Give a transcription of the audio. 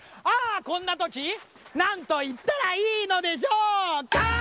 ああこんなときなんといったらいいのでしょうか？